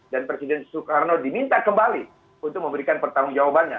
dan presiden soekarno diminta kembali untuk memberikan pertanggung jawabannya